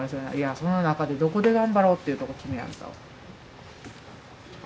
その中でどこで頑張ろうというとこ決めやんと。